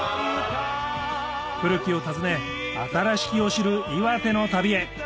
古きをたずね新しきを知る岩手の旅へ！